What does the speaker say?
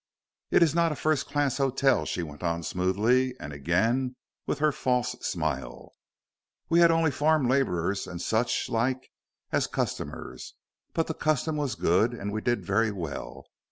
"It is not a first class hotel," she went on smoothly, and again with her false smile. "We had only farm laborers and such like as customers. But the custom was good, and we did very well.